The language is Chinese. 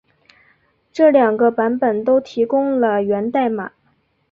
这两个版本都提供了源代码。